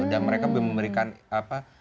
dan mereka memberikan apa